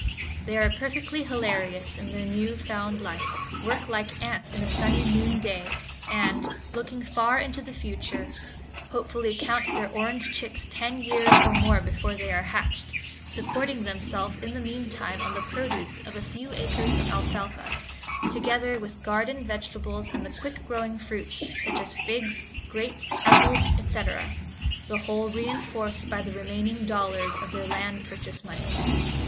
They are perfectly hilarious in their newly found life, work like ants in a sunny noonday, and, looking far into the future, hopefully count their orange chicks ten years or more before they are hatched; supporting themselves in the meantime on the produce of a few acres of alfalfa, together with garden vegetables and the quick growing fruits, such as figs, grapes, apples, etc., the whole reinforced by the remaining dollars of their land purchase money.